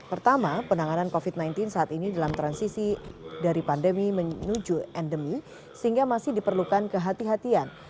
pertama penanganan covid sembilan belas saat ini dalam transisi dari pandemi menuju endemi sehingga masih diperlukan kehatian